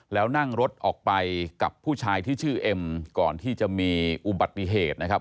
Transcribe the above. แล้วนั่งรถออกไปกับผู้ชายที่ชื่อเอ็มก่อนที่จะมีอุบัติเหตุนะครับ